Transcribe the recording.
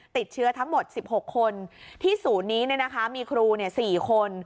ติดเชื้อทั้งหมด๑๖คนที่ศูนนี้เนี่ยนะคะมีครูเนี่ย๔คน